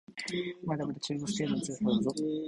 まだまだ中ボス程度の強さだぞ